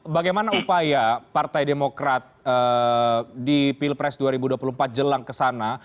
bagaimana upaya partai demokrat di pilpres dua ribu dua puluh empat jelang kesana